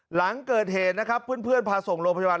หลังเกิดเหตุนะครับเพื่อนพาส่งโรงพยาบาล